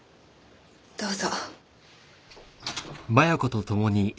どうぞ。